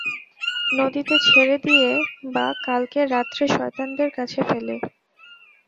নদীতে ছেড়ে দিয়ে, বা কালকে রাত্রে সয়তানদের কাছে ফেলে।